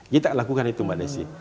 kita lakukan itu mbak desi